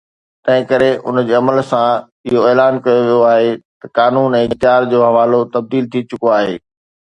تنهن ڪري ان جي عمل سان اهو اعلان ڪيو ويو آهي ته قانون ۽ اختيار جو حوالو تبديل ٿي چڪو آهي